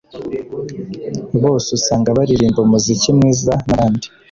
bose usanga baririmba umuziki mwiza n’abandi